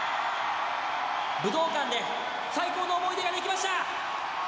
武道館で最高の思い出ができました。